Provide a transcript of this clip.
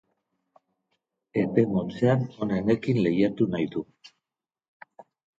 Epe motzean onenekin lehiatu nahi du.